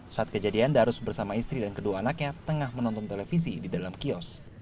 saat kejadian darus bersama istri dan kedua anaknya tengah menonton televisi di dalam kios